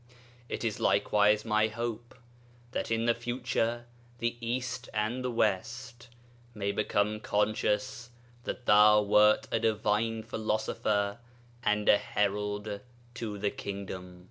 'It is likewise my hope that in the future the East and the West may become conscious that thou wert a divine philosopher and a herald to the Kingdom.'